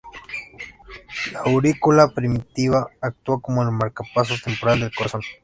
La aurícula primitiva actúa como el marcapasos temporal del corazón.